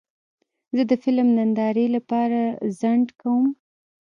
زه د فلم نندارې لپاره ځنډ کوم.